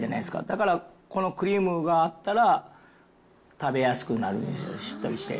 だから、このクリームがあったら、食べやすくなるんでしょう、しっとりして。